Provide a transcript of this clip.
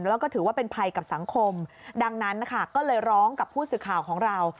แล้วก็ถือว่าเป็นภัยกับสังคมดังนั้นนะคะก็เลยร้องกับผู้สื่อข่าวของเรา